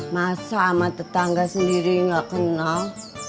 masa sama tetangga sendiri gak kenal